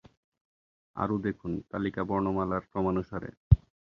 আরও দেখুন- তালিকা বর্ণমালার ক্রমানুসারে।